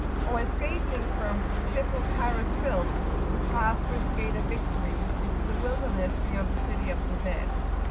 Or escaping from "stifled Cairo's filth,[FN#21]" we passed, through the Gate of Victory, into the wilderness beyond the City of the Dead.